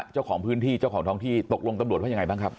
เจ้าของพื้นที่เจ้าของท้องที่ตกลงตำรวจว่ายังไงบ้างครับ